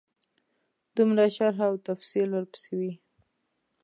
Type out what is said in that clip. دومره شرح او تفصیل ورپسې وي.